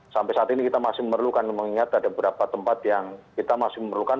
sampai saat ini kita masih memerlukan mengingat ada beberapa tempat yang kita masih memerlukan